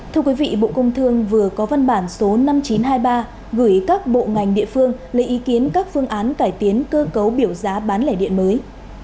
thưa quý vị bộ công thương vừa có văn bản số năm nghìn chín trăm hai mươi ba gửi các bộ ngành địa phương lấy ý kiến các phương án cải tiến cơ cấu biểu giá bán lẻ điện mới